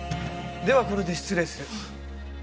ではこれで失礼する。